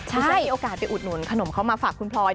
ที่ฉันมีโอกาสไปอุดหนุนขนมเขามาฝากคุณพลอย